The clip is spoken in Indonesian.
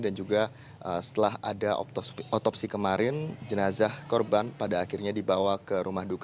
dan juga setelah ada otopsi kemarin jenazah korban pada akhirnya dibawa ke rumah dokter